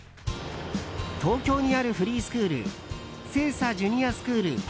東京にあるフリースクール星槎ジュニアスクールＰＡＬ